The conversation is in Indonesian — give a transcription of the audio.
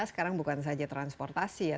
sekarang bukan saja transportasi ya